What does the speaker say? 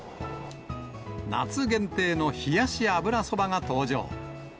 夏限定の冷やし油そばが登場。